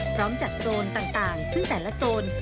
พร้อมจัดโซนต่างซึ่งแต่ละโซน